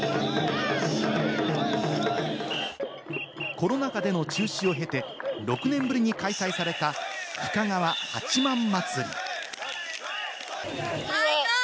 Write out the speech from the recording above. コロナ禍での中止を経て６年ぶりに開催された深川八幡祭り。